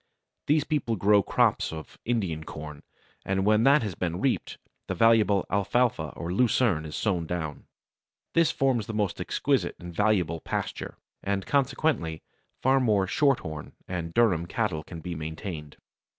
These people grow crops of Indian corn, and when that has been reaped, the valuable Alfalfa or Lucerne is sown down. This forms the most exquisite and valuable pasture, and consequently far more Shorthorn and Durham cattle can be maintained.